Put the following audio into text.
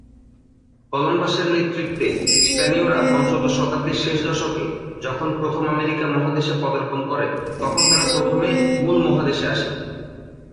কলম্বাসের নেতৃত্বে স্পেনীয়রা পঞ্চদশ শতাব্দীর শেষ দশকে যখন প্রথম আমেরিকা মহাদেশে পদার্পণ করে, তখন তারা প্রথমে মূল মহাদেশে আসেনি।